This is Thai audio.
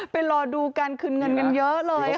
รอดูการคืนเงินกันเยอะเลย